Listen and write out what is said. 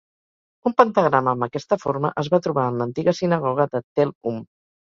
Un pentagrama amb aquesta forma es va trobar en l'antiga sinagoga de Tel Hum.